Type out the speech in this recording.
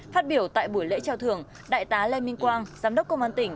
phát biểu tại buổi lễ trao thưởng đại tá lê minh quang giám đốc công an tỉnh